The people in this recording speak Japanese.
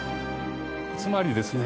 つまりですね